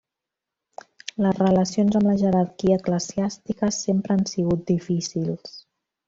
Les relacions amb la jerarquia eclesiàstica sempre han sigut difícils.